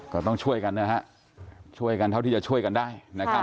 ก็ต้องช่วยกันนะฮะช่วยกันเท่าที่จะช่วยกันได้นะครับ